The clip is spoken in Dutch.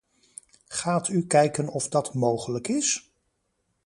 Gaat u kijken of dat mogelijk is?